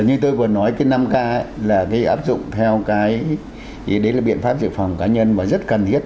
như tôi vừa nói cái năm k là cái áp dụng theo cái thì đấy là biện pháp giữ phòng cá nhân và rất cần thiết